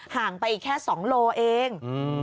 ห่างไปอีกแค่๒โลเมตรเอง